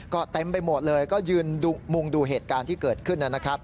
ก็เต็มไปหมดเลยก็ยืนมุงดูเหตุการณ์ที่เกิดขึ้นนะครับ